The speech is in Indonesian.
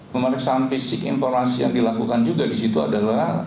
pemeriksaan fisik informasi yang dilakukan juga disitu adalah